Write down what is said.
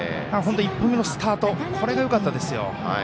１歩目のスタートがよかったですよ。